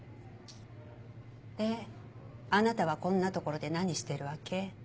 であなたはこんな所で何してるわけ？